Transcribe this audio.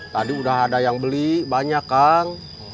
tadi udah ada yang beli banyak kan